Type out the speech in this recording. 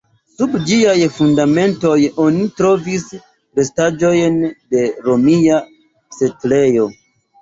Sub ĝiaj fundamentoj oni trovis restaĵojn de romia setlejo.